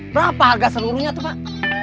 berapa harga seluruhnya itu pak